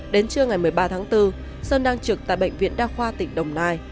đến trưa ngày một mươi ba tháng bốn sơn đang trực tại bệnh viện đa khoa tỉnh đồng nai